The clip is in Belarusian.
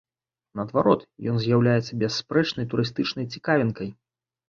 Наадварот, ён з'яўляецца бясспрэчнай турыстычнай цікавінкай.